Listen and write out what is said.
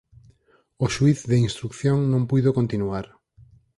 O xuíz de instrución non puido continuar.